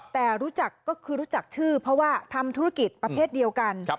แต่รู้จักก็คือรู้จักชื่อเพราะว่าทำธุรกิจประเภทเดียวกัน